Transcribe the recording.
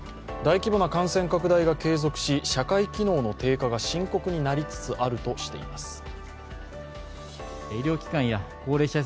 大規模な感染拡大が継続し社会機能の低下が深刻になりつつあるとしています。